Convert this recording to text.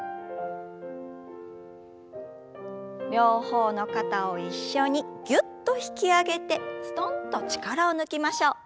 両方の肩を一緒にぎゅっと引き上げてすとんと力を抜きましょう。